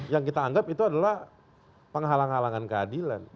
yang kita anggap itu adalah penghalang halangan keadilan